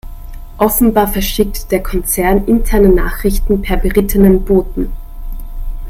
Offenbar verschickt der Konzern interne Nachrichten per berittenem Boten.